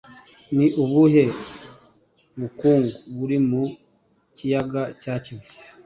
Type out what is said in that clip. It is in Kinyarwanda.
Ni ubuhe bukungu buri mu kiyaga cya kivu?